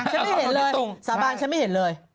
ไม่เห็นเลยสาบานฉันไม่เห็นเลย